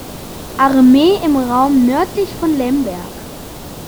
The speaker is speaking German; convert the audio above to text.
Armee im Raum nördlich von Lemberg.